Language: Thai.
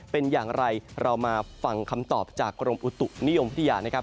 เป็นอย่างไรเรามาฟังคำตอบจากกรมอุตุนิยมพัทยานะครับ